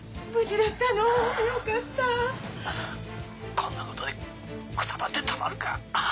こんなことでくたばってたまるか。